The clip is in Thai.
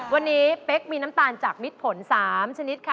วันนี้เป๊กมีน้ำตาลจากมิดผล๓ชนิดค่ะ